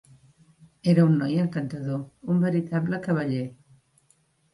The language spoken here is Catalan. Era un noi encantador, un veritable cavaller.